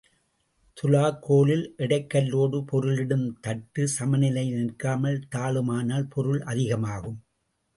துலாக்கோலில் எடைக் கல்லோடு பொருளிடும் தட்டு சமநிலையில் நிற்காமல் தாழுமானால் பொருள் அதிகமாகும்.